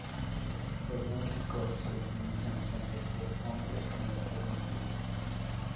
Los náuticos se utilizan tanto por hombres como por mujeres.